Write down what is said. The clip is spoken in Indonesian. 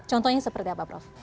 contohnya seperti apa prof